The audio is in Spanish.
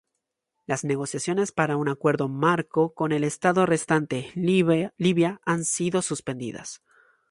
Las negociaciones para un Acuerdo Marco con el estado restante, Libia, han sido suspendidas.